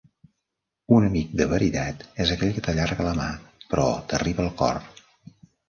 Un amic de veritat és aquell que t'allarga la mà, però t'arriba al cor.